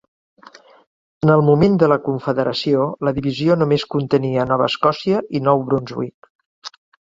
En el moment de la confederació, la divisió només contenia Nova Escòcia i Nou Brunswick.